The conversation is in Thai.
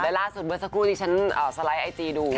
และล่าสุดเมื่อสักครู่ที่ฉันสไลด์ไอจีดู